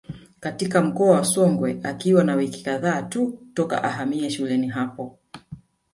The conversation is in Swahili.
Katika mkoa wa Songwe akiwa na wiki kadhaa tu toka ahamie shuleni hapo